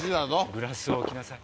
グラスを置きなさい。